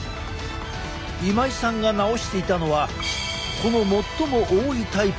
今井さんが治していたのはこの最も多いタイプのめまい。